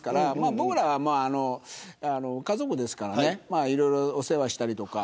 僕らは家族ですからいろいろお世話したりとか。